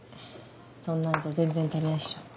そんなんじゃ全然足りないっしょ。